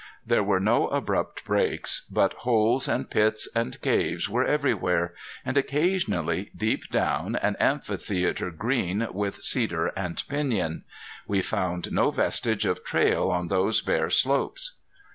There were no abrupt breaks, but holes and pits and caves were everywhere, and occasionally deep down, an amphitheater green with cedar and piñon. We found no vestige of trail on those bare slopes.